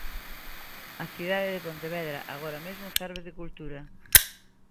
A cidade de Pontevedra, agora mesmo, ferve de cultura.